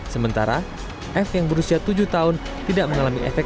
sementara f yang berusia tujuh tahun tidak mengalami efek